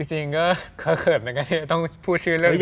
จริงก็เผินนะคะต้องพูดชื่อเรื่องนี้